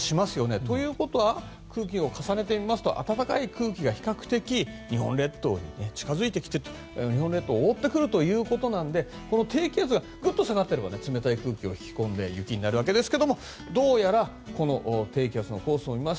ということは空気を重ねてみますと暖かい空気が比較的日本列島に近づいてきて日本列島を覆ってくるということなので低気圧がもっと下がっていれば冷たい空気を引き込んで雪になるわけですけれどもどうやらこの低気圧のコースを見ます。